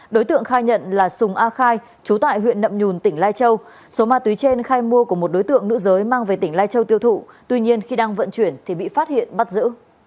đối tượng khai nhận là sùng a khai trú tại huyện nậm nhùn tỉnh lai châu số ma túy trên khai mua của một đối tượng nữ giới mang về tỉnh lai châu tiêu thụ tuy nhiên khi đang vận chuyển thì bị phát hiện bắt giữ